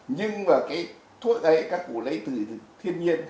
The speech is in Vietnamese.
nhưng mà cái thuốc ấy các cụ lấy từ thiên nhiên